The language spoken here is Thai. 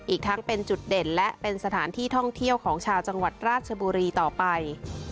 อีกทั้งเป็นจุดเด่นและเป็นสถานที่ท่องเที่ยวของชาวจังหวัดราชบุรีต่อไป